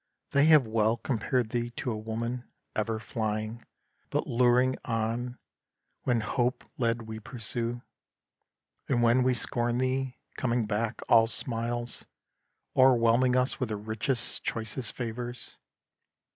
they have well Compared thee to a woman; ever flying, But luring on, when Hope led we pursue; And when we scorn thee, coming back, all smiles, O'erwhelming us with richest, choicest favours.